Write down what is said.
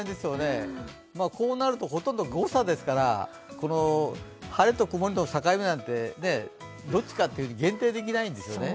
こうなるとほとんど誤差ですから晴れと曇りの境目なんてどっちかなんて限定できないんですよね。